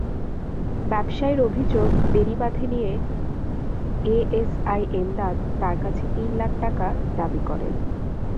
ব্যবসায়ীর অভিযোগ, বেড়িবাঁধে নিয়ে এএসআই এমদাদ তাঁর কাছে তিন লাখ টাকা দাবি করেন।